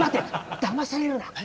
だまされるな。